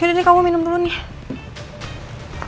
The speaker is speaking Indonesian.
yaudah nih kamu minum dulu nih